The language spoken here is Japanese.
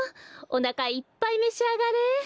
おなかいっぱいめしあがれ！